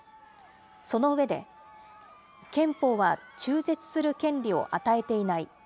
その上で、憲法は中絶する権利を与えていない。